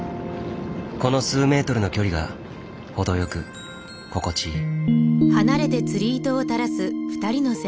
この数メートルの距離が程よく心地いい。